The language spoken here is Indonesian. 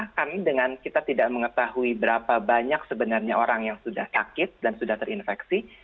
karena dengan kita tidak mengetahui berapa banyak sebenarnya orang yang sudah sakit dan sudah terinfeksi